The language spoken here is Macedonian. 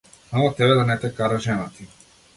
Само тебе да не те кара жена ти.